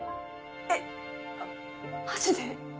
えっマジで？